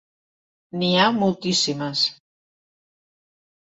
N’hi ha moltíssimes.